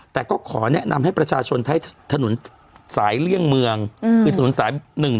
แต่ก็ขอแนะนำให้ประชาชนใช้ถนนสายเลี่ยงเมืองคือถนนสาย๑๒